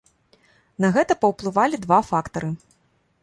На гэта паўплывалі два фактары.